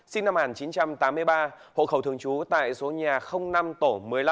sinh năm một nghìn chín trăm tám mươi ba hộ khẩu thường trú tại số nhà năm tổ một mươi năm